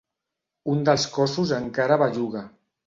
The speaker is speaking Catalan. Un dels cossos encara belluga.